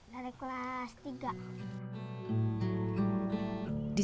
dari kelas tiga